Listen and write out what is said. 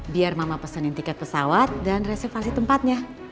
biar mama pesenin tiket pesawat dan reservasi tempatnya